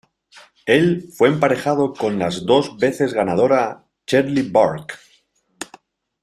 Él fue emparejado con la dos veces ganadora, Cheryl Burke.